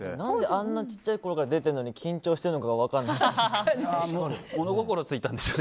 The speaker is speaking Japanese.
あんなちっちゃいころから出てるのに何で緊張してるのか分からないです。